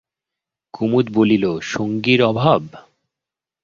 কুমুদ বলিল, সঙ্গীর অভাব?